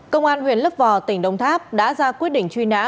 công an huyện lấp vò tỉnh đông tháp đã ra quyết định truy nã